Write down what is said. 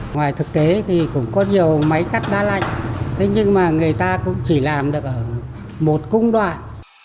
ngoài thực tế thì cũng có nhiều máy cắt đá lạnh thế nhưng mà người ta cũng chỉ làm được ở một công đoạn